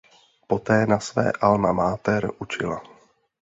Poté na své "alma mater" učila.